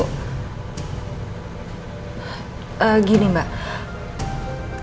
kalau saya bayar semua bankku